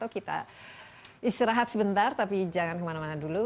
kita istirahat sebentar tapi jangan kemana mana dulu